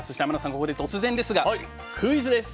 ここで突然ですがクイズです。